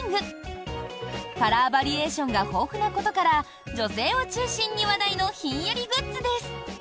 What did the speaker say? カラーバリエーションが豊富なことから女性を中心に話題のひんやりグッズです。